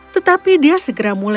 tetapi dia segera membalik